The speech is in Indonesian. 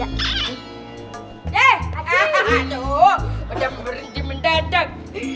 aduh udah berhenti mendadak